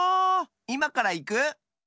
いまからいく？